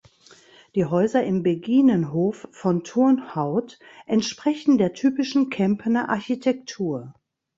Die Häuser im Beginenhof von Turnhout entsprechen der typischen Kempener Architektur.